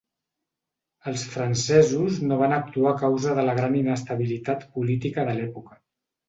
Els francesos no van actuar a causa de la gran inestabilitat política de l'època.